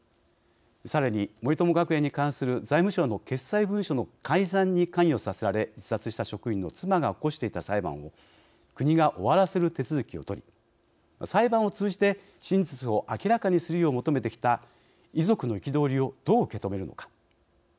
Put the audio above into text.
さらに、森友学園に関する財務省の決裁文書の改ざんに関与させられ自殺した職員の妻が起こしていた裁判を国が終わらせる手続きを取り裁判を通じて真実を明らかにするよう求めてきた遺族の憤りをどう受け止めるのか。